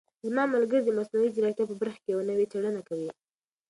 زما ملګری د مصنوعي ځیرکتیا په برخه کې یوه نوې څېړنه کوي.